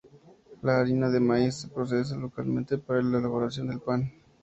La harina de maíz se procesa localmente para la elaboración de pan.